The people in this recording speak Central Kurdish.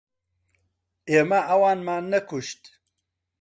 ئێمە ئەوانمان نەکوشت.